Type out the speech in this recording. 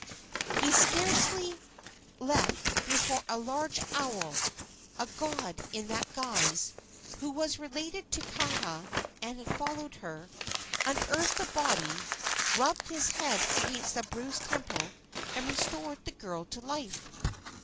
He had scarcely left before a large owl a god in that guise, who was related to Kaha and had followed her unearthed the body, rubbed his head against the bruised temple, and restored the girl to life.